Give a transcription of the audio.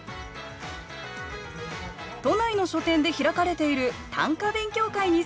都内の書店で開かれている短歌勉強会に参加中。